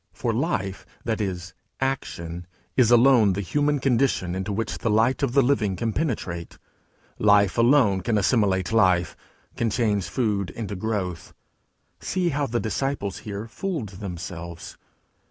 For life, that is, action, is alone the human condition into which the light of the Living can penetrate; life alone can assimilate life, can change food into growth. See how the disciples here fooled themselves!